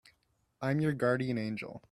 I'm your guardian angel.